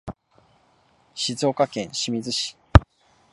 静岡県清水町